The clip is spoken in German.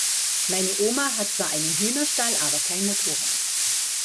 Meine Oma hat zwar einen Hühnerstall, aber kein Motorrad.